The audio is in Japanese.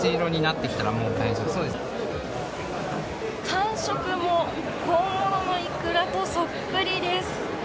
感触も本物のイクラとそっくりです。